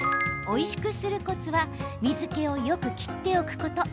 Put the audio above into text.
おいしくするコツは水けをよく切っておくこと。